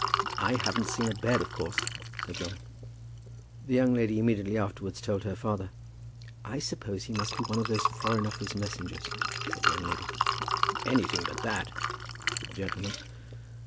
"I haven't seen a bed, of course," said John. The young lady immediately afterwards told her father. "I suppose he must be one of those Foreign Office messengers," said the young lady. "Anything but that," said the gentleman.